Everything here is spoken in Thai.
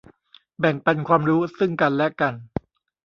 แบ่งปันความรู้ซึ่งกันและกัน